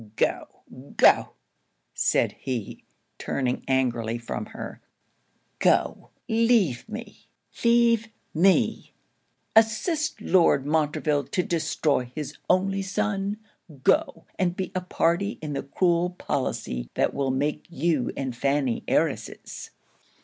'Go, go,' said he, turning angrily from her 'Go, leave me, leave me! assist Lord Montreville to destroy his only son! go, and be a party in the cruel policy that will make you and Fanny heiresses!'